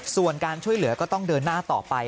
ส่วนการช่วยเหลือก็ต้องเดินหน้าต่อไป